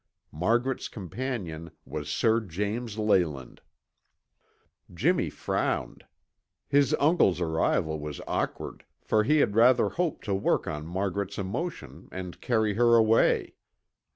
Margaret's companion was Sir James Leyland. Jimmy frowned. His uncle's arrival was awkward, for he had rather hoped to work on Margaret's emotion and carry her away.